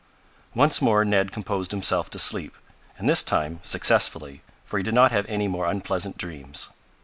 Once more Ned composed himself to sleep, and this time successfully, for he did not have any more unpleasant dreams.